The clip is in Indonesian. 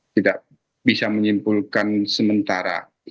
tidak bisa menyimpulkan sementara